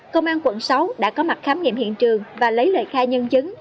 công an quận sáu đã có mặt khám nghiệm hiện trường và lấy lời khai nhân chứng